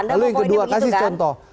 lalu yang kedua kasih contoh